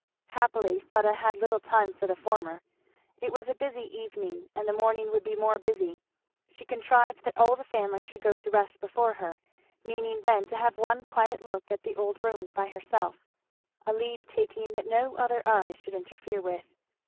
Happily Fleda had little time for the former. It was a busy evening, and the morning would be more busy; she contrived that all the family should go to rest before her, meaning then to have one quiet look at the old rooms by herself; a leave taking that no other eyes should interfere with.